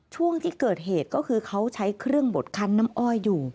ช่วงที่เกิดเหตุก็คือเขาใช้เครื่องบดคันน้ำอ้อยอยู่